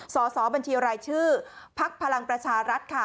สอบบัญชีรายชื่อพักพลังประชารัฐค่ะ